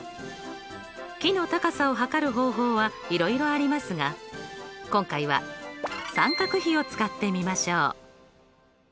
木の高さを測る方法はいろいろありますが今回は三角比を使ってみましょう。